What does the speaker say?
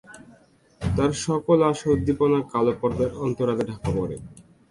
তার সকল আশা উদ্দীপনা কালো পর্দার অন্তরালে ঢাকা পড়ে।